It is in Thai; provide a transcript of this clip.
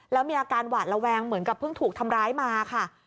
แล้วมีอาการหวาดระแวงเหมือนกับเพิ่งถูกทำร้ายมาค่ะ